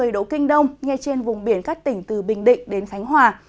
một trăm một mươi độ kinh đông ngay trên vùng biển các tỉnh từ bình định đến khánh hòa